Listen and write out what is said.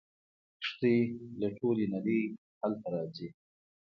کښتۍ له ټولې نړۍ هلته راځي.